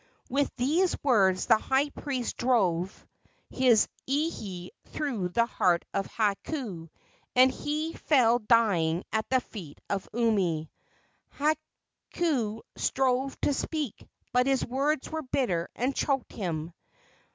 With these words the high priest drove his ihe through the heart of Hakau, and he fell dying at the feet of Umi. Hakau strove to speak, but his words were bitter and choked him.